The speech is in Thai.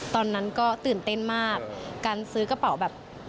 ตอนนั้นก็ตื่นเต้นมากการซื้อกระเป๋าแบบ